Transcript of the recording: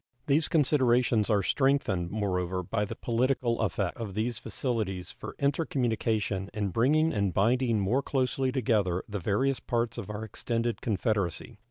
These considerations are strengthened, moreover, by the political effect of these facilities for intercommunication in bringing and binding more closely together the various parts of our extended confederacy.